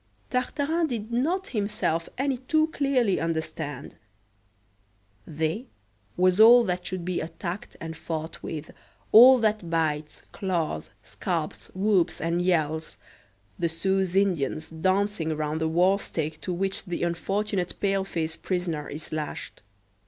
Tartarin did not himself any too clearly understand. "They" was all that should be attacked and fought with, all that bites, claws, scalps, whoops, and yells the Sioux Indians dancing around the war stake to which the unfortunate pale face prisoner is lashed.